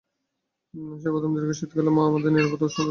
সেই প্রথম দীর্ঘ শীতকালে, মা আমাদের নিরাপদ ও উষ্ণ রেখেছিল।